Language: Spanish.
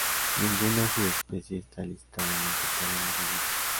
Ninguna subespecie está listada en el Catálogo de Vida.